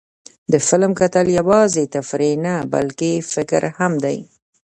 د فلم کتل یوازې تفریح نه، بلکې فکر هم دی.